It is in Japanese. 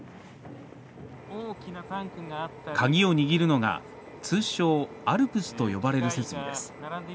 鍵を握るのが通称「ＡＬＰＳ」と呼ばれる設備です